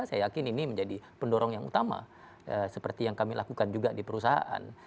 saya yakin ini menjadi pendorong yang utama seperti yang kami lakukan juga di perusahaan